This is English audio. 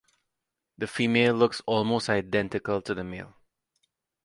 The female looks almost identical to the male.